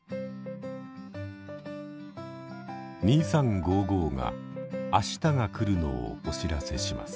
「２３」が明日が来るのをお知らせします。